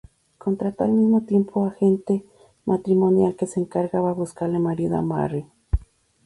Contrató al mismo agente matrimonial que se encargaba de buscarle marido a Marie.